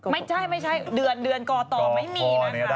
ไม่ใช่เดือนกตไม่มีนะคะ